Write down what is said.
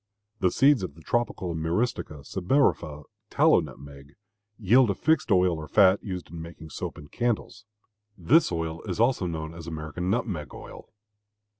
The seeds of the tropical M. sebifera (tallow nutmeg) yield a fixed oil or fat used in making soap and candles. This oil is also known as American nutmeg oil.